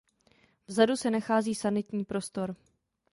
Vzadu se nachází sanitní prostor.